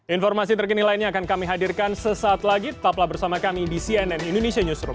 informasi terkini lainnya akan kami hadirkan sesaat lagi tetaplah bersama kami di cnn indonesia newsroom